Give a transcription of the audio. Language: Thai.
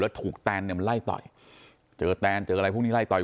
แล้วถูกแตนเนี่ยมันไล่ต่อยเจอแตนเจออะไรพวกนี้ไล่ต่อย